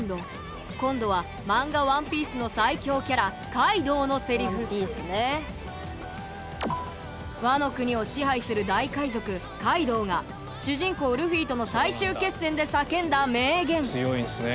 今度はマンガ「ＯＮＥＰＩＥＣＥ」の最恐キャラカイドウのセリフワノ国を支配する大海賊カイドウが主人公ルフィとの最終決戦で叫んだ名言